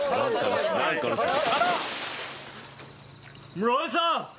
「室井さん